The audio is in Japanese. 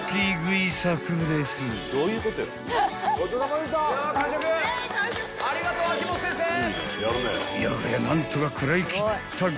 ［いやはや何とか食らいきったが］